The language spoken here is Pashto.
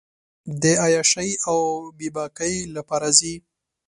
د عیاشۍ اوبېباکۍ لپاره ځي.